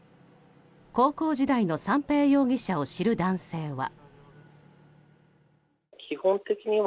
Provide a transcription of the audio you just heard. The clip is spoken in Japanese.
高校時代の三瓶容疑者を知る男性は。